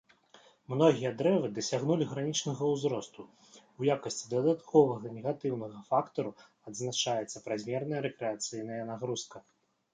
Многія дрэвы дасягнулі гранічнага ўзросту, у якасці дадатковага негатыўнага фактару адзначаецца празмерная рэкрэацыйная нагрузка.